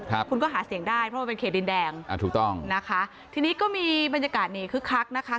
ครับคุณก็หาเสียงได้เพราะมันเป็นเขตดินแดงอ่าถูกต้องนะคะทีนี้ก็มีบรรยากาศนี้คึกคักนะคะ